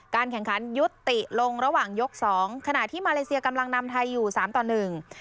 แข่งขันยุติลงระหว่างยกสองขณะที่มาเลเซียกำลังนำไทยอยู่สามต่อหนึ่ง